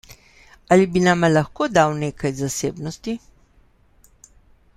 Ali bi nama lahko dal nekaj zasebnosti?